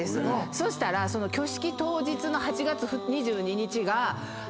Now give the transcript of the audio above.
そしたら挙式当日の８月２２日が。